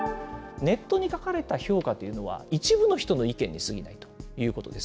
ネットに書かれた評価というのは、一部の人の意見にすぎないということです。